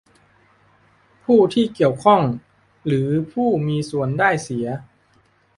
ผู้ที่เกี่ยวข้อง หรือผู้มีส่วนได้เสีย